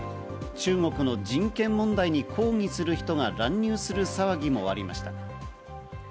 中国の人権問題に抗議する人が乱入する騒ぎもありました。